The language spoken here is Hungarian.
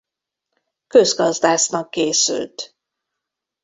Közgazdásznak készült.